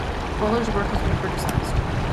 Wehler's work has been criticized.